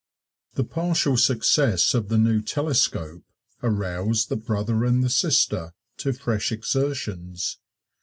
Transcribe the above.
The partial success of the new telescope aroused the brother and the sister to fresh exertions.